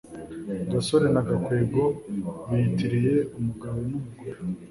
gasore na gakwego biyitiriye umugabo n'umugore